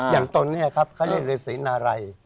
อย่างตนนี้ครับเขาเรียกเลยสีนารัย